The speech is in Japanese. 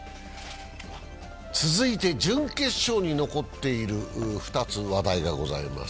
続いて準決勝に残っている２つ、話題がございます。